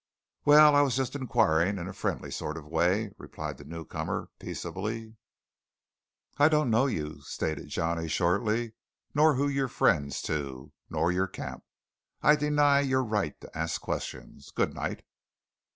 "Well, I was just inquirin' in a friendly sort of way," replied the newcomer peaceably. "I don't know you," stated Johnny shortly, "nor who you're friends to, nor your camp. I deny your right to ask questions. Good night."